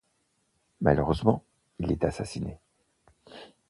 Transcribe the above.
Malheureusement, il est assassiné.